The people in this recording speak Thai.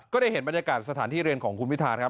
ได้เห็นบรรยากาศสถานที่เรียนของคุณพิธาครับ